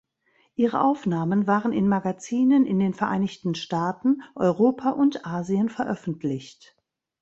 Ihre Aufnahmen waren in Magazinen in den Vereinigten Staaten, Europa und Asien veröffentlicht.